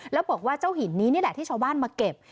แล้วบอกว่าเจ้าหินนี้นี่แหละที่ชาวบ้านมาเก็บ